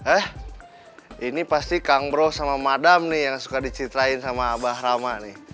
eh ini pasti kang bro sama madam nih yang suka dicitrain sama abah rama nih